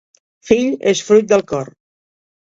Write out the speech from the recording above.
Fill és fruit del cor.